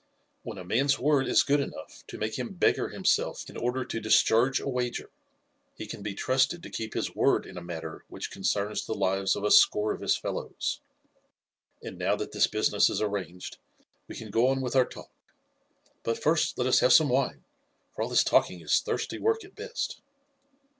When a man's word is good enough to make him beggar himself in order to discharge a wager, he can be trusted to keep his word in a matter which concerns the lives of a score of his fellows. And now that this business is arranged we can go on with our talk; but first let us have some wine, for all this talking is thirsty work at best."